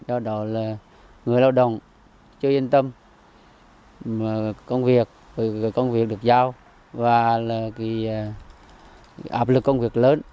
do đó người lao động chưa yên tâm công việc được giao và áp lực công việc lớn